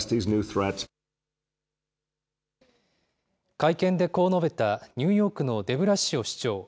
会見でこう述べた、ニューヨークのデブラシオ市長。